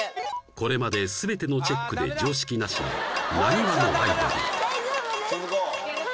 これまで全てのチェックで常識なしの浪速のアイドル大丈夫です